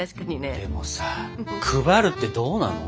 でもさ配るってどうなの？